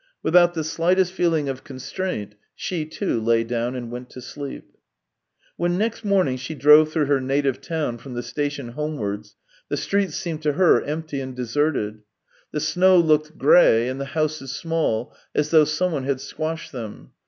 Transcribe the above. Without the slightest feeling of constraint, she, too, lay down and went to sleep. When next morning she drove through her native town from the station homewards, the streets seemed to her empty and deserted. The snow looked grey, and the houses small, as though someone had squashed them.